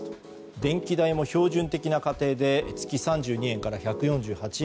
電気代も標準的な家庭で月３２円から１４８円。